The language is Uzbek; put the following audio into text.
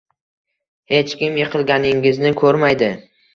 Hech kim yiqilganingizni ko’rmaydi.